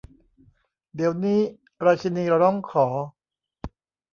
เดี๋ยวนี้ ! ราชินีร้องขอ